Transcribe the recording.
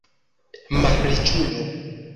malriĉulo